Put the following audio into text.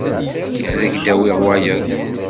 Ad ak-d-awiɣ wayeḍ.